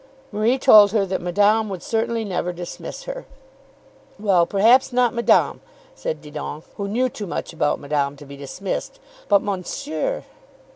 Marie told her that Madame would certainly never dismiss her. "Well, perhaps not Madame," said Didon, who knew too much about Madame to be dismissed; "but Monsieur!"